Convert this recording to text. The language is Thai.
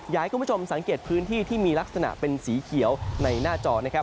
อยากให้คุณผู้ชมสังเกตพื้นที่ที่มีลักษณะเป็นสีเขียวในหน้าจอนะครับ